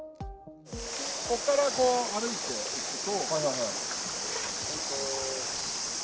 ここから、こう歩いていくと。